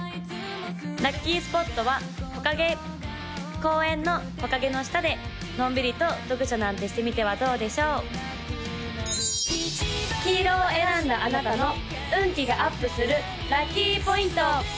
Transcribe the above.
・ラッキースポットは木陰公園の木陰の下でのんびりと読書なんてしてみてはどうでしょう黄色を選んだあなたの運気がアップするラッキーポイント！